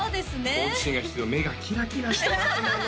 好奇心が必要目がキラキラしてますもの